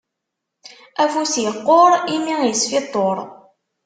Afus iqquṛ, imi isfiṭṭuṛ.